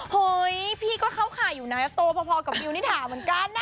เฮ้ยพี่ก็เข้าข่ายอยู่นะโตพอกับมิวนิถาเหมือนกันนะ